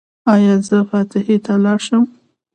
ایا زه فاتحې ته لاړ شم؟